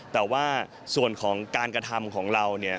แต่ว่าส่วนของการกระทำของเราเนี่ย